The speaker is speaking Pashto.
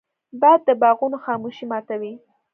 باد د باغونو خاموشي ماتوي